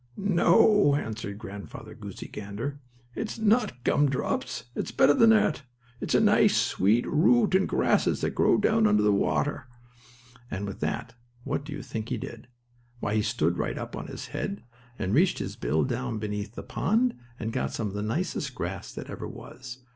"No," answered Grandfather Goosey Gander, "it is not gum drops. It is better than that. It is nice, sweet roots and grasses that grow down under water," and, with that, what do you think he did? Why, he stood right up on his head, and reached his bill down beneath the pond, and got some of the nicest grass that ever was.